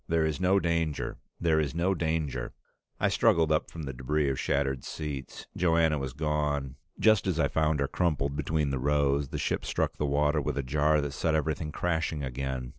There is no danger There is no danger " I struggled up from the debris of shattered seats. Joanna was gone; just as I found her crumpled between the rows, the ship struck the water with a jar that set everything crashing again.